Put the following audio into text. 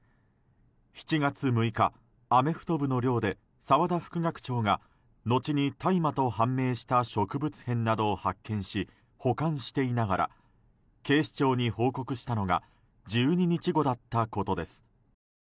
７月６日、アメフト部の寮で澤田副学長が後に大麻と判明した植物片などを発見し保管していながら警視庁に報告したのが１２日後だったことです。